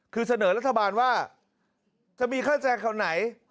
คือเสนอรัฐบาลว่าจะมีเครื่องแสงของไหน